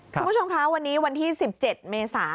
คุณผู้ชมคะวันนี้วันที่๑๗เมษา